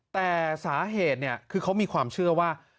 แต่สาเหตุคือเขามีความเชื่อว่า